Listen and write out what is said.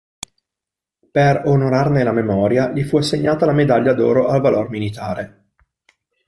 Per onorarne la memoria gli fu assegnata la Medaglia d'oro al valor militare.